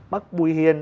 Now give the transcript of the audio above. bác bùi hiền